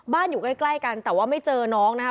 อยู่ใกล้กันแต่ว่าไม่เจอน้องนะคะ